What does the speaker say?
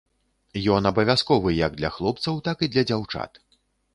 Ён абавязковы як для хлопцаў, так і для дзяўчат.